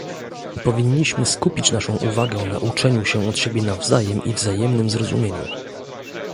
Powinniśmy skupić naszą uwagę na uczeniu się od siebie nawzajem i wzajemnym zrozumieniu